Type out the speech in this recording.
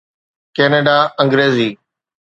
Canada Angrezi